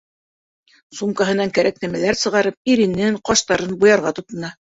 Сумкаһынан кәрәк нәмәләр сығарып, иренен, ҡаштарын буярға тотона.